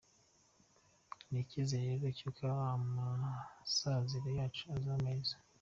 Ni icyizere rero cy’uko amasaziro yacu azaba meza.